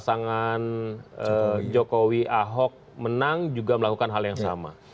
pasangan jokowi ahok menang juga melakukan hal yang sama